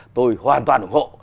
tôi hoàn toàn ủng hộ